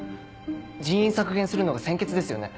人員削減するのが先決ですよね？